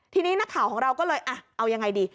ทีนี้นักข่าวของเราก็เลยเอายังไงดี